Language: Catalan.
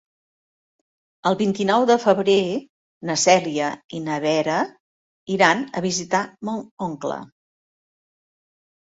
El vint-i-nou de febrer na Cèlia i na Vera iran a visitar mon oncle.